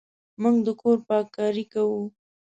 موږ د کور پاککاري کوو.